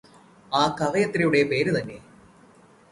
ആ കവയത്രിയുടെ പേര് തന്നെ